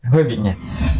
hơi bị nhẹ